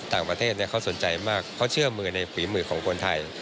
ต่างประเทศเขาสนใจมากเขาเชื่อมือในฝีมือของคนไทย